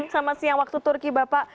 selamat siang waktu turki bapak